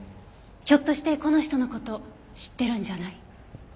ひょっとしてこの人の事知ってるんじゃない？